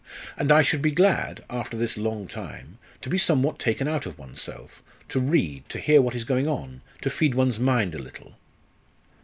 "And I should be glad after this long time to be somewhat taken out of oneself, to read, to hear what is going on, to feed one's mind a little."